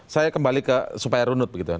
saya kembali ke supaya runut